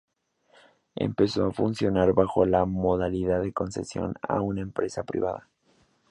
Empezó a funcionar bajo la modalidad de concesión a una empresa privada.